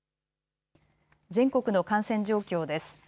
全国の感染状況です。